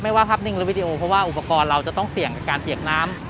ว่าภาพนิ่งหรือวิดีโอเพราะว่าอุปกรณ์เราจะต้องเสี่ยงในการเปียกน้ำ